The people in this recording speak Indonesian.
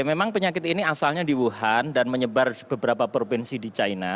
ya memang penyakit ini asalnya di wuhan dan menyebar di beberapa provinsi di china